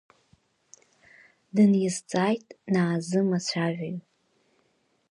Дыниазҵааит Наазым ацәажәаҩ.